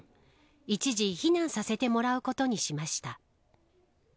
一時避難させてもらうことにしました。